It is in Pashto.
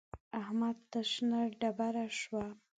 احمد ته شنه ډبره شوم.